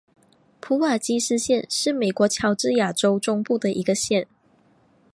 普瓦斯基县是美国乔治亚州中部的一个县。